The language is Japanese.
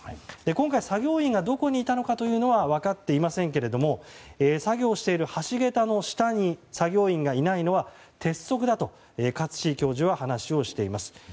今回、作業員がどこにいたのかは分かっていませんけれども作業している橋桁の下に作業員がいないのは鉄則だと、勝地教授は話をしています。